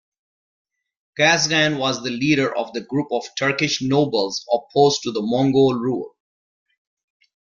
Qazghan was the leader of the group of Turkish nobles opposed to Mongol rule.